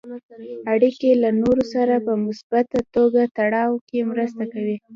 اړیکې له نورو سره په مثبته توګه تړاو کې مرسته کوي.